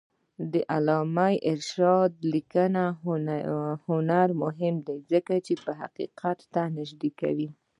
د علامه رشاد لیکنی هنر مهم دی ځکه چې حقیقت ته نږدې کوي.